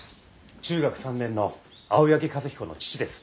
中学３年の青柳和彦の父です。